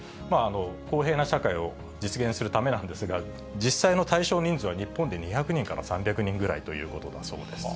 公平な社会を実現するためなんですが、実際の対象人数は、日本で２００人から３００人ぐらいということだそうです。